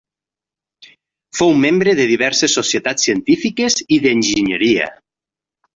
Fou membre de diverses societats científiques i d'enginyeria.